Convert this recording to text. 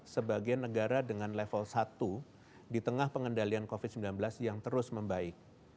sebagai negara dengan level satu di tengah pengendalian covid sembilan belas yang terus membaik